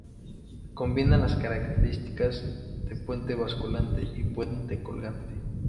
Combina las características de puente basculante y puente colgante.